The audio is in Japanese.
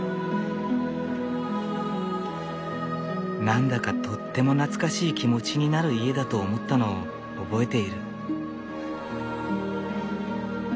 何だかとっても懐かしい気持ちになる家だと思ったのを覚えている。